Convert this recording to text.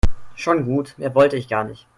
Schon gut, mehr wollte ich gar nicht.